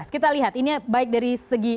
kita lihat ini baik dari segi